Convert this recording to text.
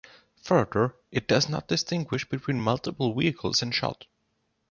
Further, it does not distinguish between multiple vehicles in shot.